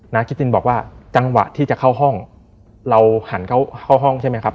คิดตินบอกว่าจังหวะที่จะเข้าห้องเราหันเข้าห้องใช่ไหมครับ